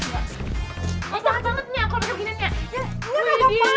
ini keren banget nih kalau beginiannya